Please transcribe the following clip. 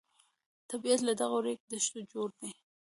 طبیعت له دغو ریګ دښتو جوړ دی.